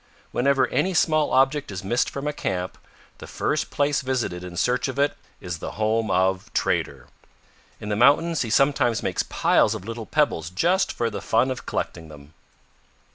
Whenever any small object is missed from a camp, the first place visited in search of it is the home of Trader. In the mountains he sometimes makes piles of little pebbles just for the fun of collecting them.